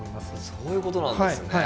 そういう事なんですね。